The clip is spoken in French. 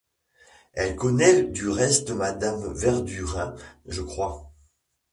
Elle connaît du reste Madame Verdurin, je crois.